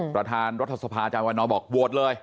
ประธานรัฐสภาจานวันน้อยบอกโหวตเลย